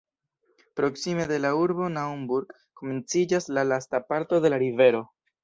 Proksime de la urbo Naumburg komenciĝas la lasta parto de la rivero.